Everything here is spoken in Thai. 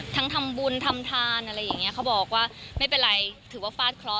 ทำบุญทำทานอะไรอย่างเงี้เขาบอกว่าไม่เป็นไรถือว่าฟาดเคราะ